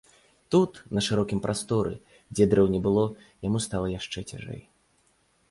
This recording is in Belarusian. Тут, на шырокім прасторы, дзе дрэў не было, яму стала яшчэ цяжэй.